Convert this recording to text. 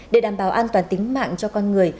để đảm bảo an toàn tính mạng cho con người